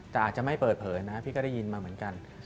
แต่อาจจะไม่เปิดเผยนะพี่ก็ได้ยินมาเหมือนกัน